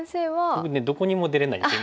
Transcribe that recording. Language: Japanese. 僕どこにも出れないんですよ。